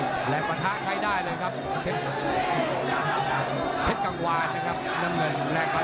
แถมกองทะแจ้ก็ใช้ได้เลยครับ